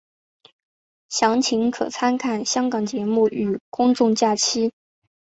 详情可参看香港节日与公众假期。